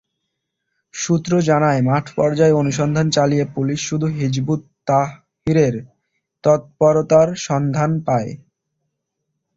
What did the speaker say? সূত্র জানায়, মাঠপর্যায়ে অনুসন্ধান চালিয়ে পুলিশ শুধু হিযবুত তাহ্রীরের তৎপরতার সন্ধান পায়।